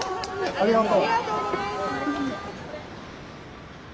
ありがとう。